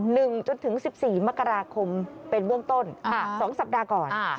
หนึ่งจนถึงสิบสี่มกราคมเป็นเวืองต้นสองสัปดาห์ก่อน